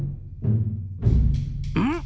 うん？